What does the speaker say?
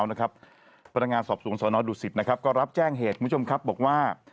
พนักงานสอบสวนสนดุสิตก็รับแจ้งเหตุคุณผู้ชมครับบอกว่า